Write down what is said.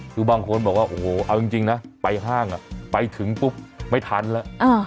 คือบางคนบอกว่าโอ้โหเอาจริงนะไปห้างไปถึงปุ๊บไม่ทันแล้ว